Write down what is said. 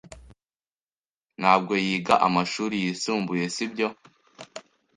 Bert ntabwo yiga amashuri yisumbuye, sibyo?